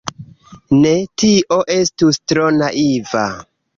Ne, tio estus tro naiva.